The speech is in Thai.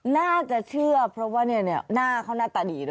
น่าจะเชื่อเพราะว่าหน้าเขาหน้าตาดีด้วย